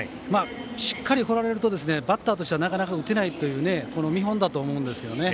しっかりこられるとバッターとしてはなかなか打てないという見本だと思うんですよね。